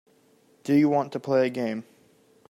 Do you want to play a game.